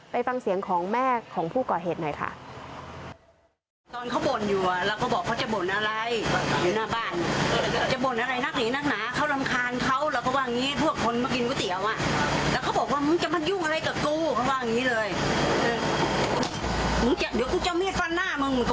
ไปฟังเสียงของแม่ของผู้ก่อเหตุหน่อยค่ะ